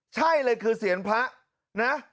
ใช่เลยคือเสียงพระนะ